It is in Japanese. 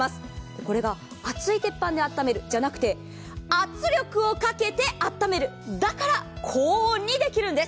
これが熱い鉄板であっためるじゃなくて圧力をかけてあっためる、だから高温にできるんです。